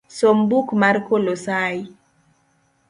Som buk mar kolosai